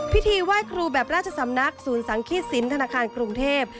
พิธีไหว้ครูแบบราชสำนักศูนย์สังขีดสินธนาคารกรุงเทพ